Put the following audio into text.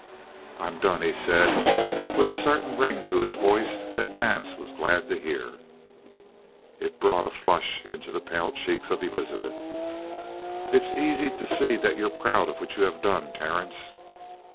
"I'm done," he said, with a certain ring to his voice that Vance was glad to hear. It brought a flush into the pale cheeks of Elizabeth. "It is easy to see that you're proud of what you have done, Terence."